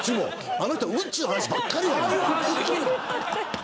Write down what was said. あの人うんちの話ばっかりだな。